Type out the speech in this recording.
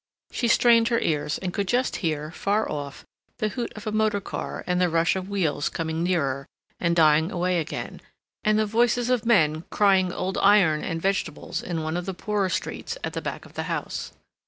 She strained her ears and could just hear, far off, the hoot of a motor car and the rush of wheels coming nearer and dying away again, and the voices of men crying old iron and vegetables in one of the poorer streets at the back of the house.